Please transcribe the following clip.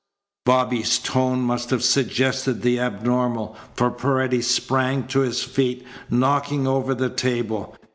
Bobby's tone must have suggested the abnormal, for Paredes sprang to his feet, knocking over the table.